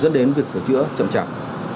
dẫn đến việc sửa chữa chậm chạp